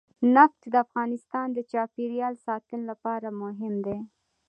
نفت د افغانستان د چاپیریال ساتنې لپاره مهم دي.